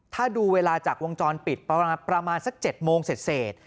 ถ้าดูเวลาจากวงจรปิดประมาณสัก๗โมงเสร็จ